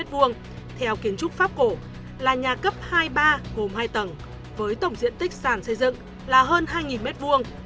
theo kiến trúc pháp cổ là nhà cấp hai ba gồm hai tầng với tổng diện tích sàn xây dựng là hơn hai m hai